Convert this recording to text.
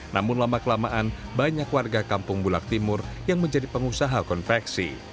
namun lama kelamaan banyak warga kampung bulak timur yang menjadi pengusaha konveksi